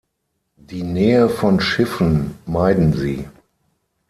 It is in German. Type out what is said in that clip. Die Nähe von Schiffen meiden sie.